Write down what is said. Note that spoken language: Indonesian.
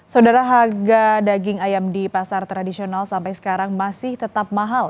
saudara harga daging ayam di pasar tradisional sampai sekarang masih tetap mahal